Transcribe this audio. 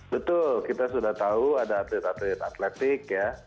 betul kita sudah tahu ada atlet atlet atletik ya